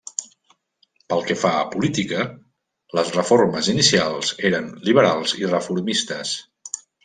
Pel que fa a política, les reformes inicials eren liberals i reformistes.